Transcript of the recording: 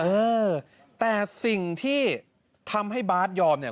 เออแต่สิ่งที่ทำให้บาสยอมเนี่ย